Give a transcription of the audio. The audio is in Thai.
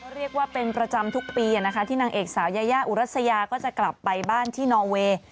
เรียกว่าเป็นประจำทุกปีที่นางเอกสาวยายาอุรัสยาก็จะกลับไปบ้านที่นอเวย์